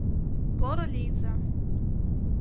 — Поро лийза!